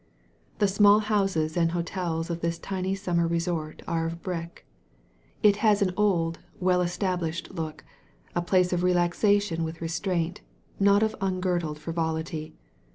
The small houses and hotels of this tiny summer resort are of brick. It has an old, well established look; a place of relaxation with restraint, not of ungirdled frivolity.